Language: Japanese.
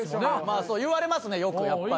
まあ言われますねよくやっぱり。